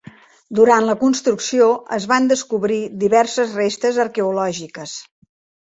Durant la construcció es van descobrir diverses restes arqueològiques.